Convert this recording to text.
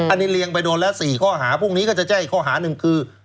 อันนี้เรียงไปโดนแล้ว๔ข้อหาพรุ่งนี้ก็จะแจ้งอีกข้อหาหนึ่งคือ